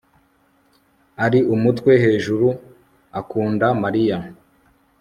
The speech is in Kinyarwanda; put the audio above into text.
ari umutwe hejuru akunda mariya